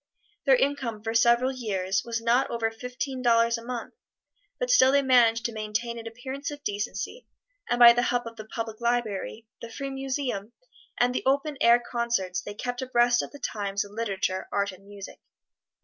Their income for several years was not over fifteen dollars a month, but still they managed to maintain an appearance of decency, and by the help of the public library, the free museum and the open air concerts, they kept abreast of the times in literature, art and music.